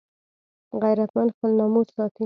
غیرتمند خپل ناموس ساتي